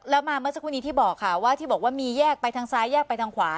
แล้วมาเมื่อสักครู่นี้ที่บอกค่ะว่าที่บอกว่ามีแยกไปทางซ้ายแยกไปทางขวา